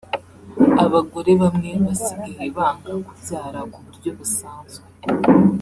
Abagore bamwe basigaye banga kubyara ku buryo busanzwe